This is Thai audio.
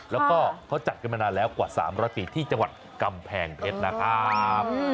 แล้วก็เขาจัดกันมานานแล้วกว่า๓๐๐ปีที่จังหวัดกำแพงเพชรนะครับ